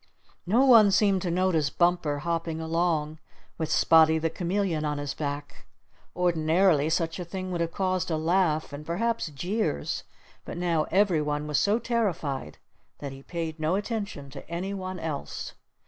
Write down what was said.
No one seemed to notice Bumper hopping along with Spotty the Chameleon on his back. Ordinarily such a thing would have caused a laugh, and perhaps jeers. But now every one was so terrified that he paid no attention to any one else.